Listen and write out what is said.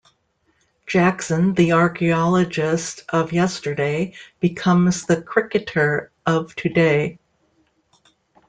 Jackson, the archaeologist of yesterday, becomes the cricketer of today.